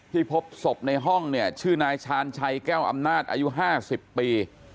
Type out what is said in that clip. ที่พบสบในห้องเนี่ยชื่อนายชานชัยแก้วอำนาจอายุห้าสิบปี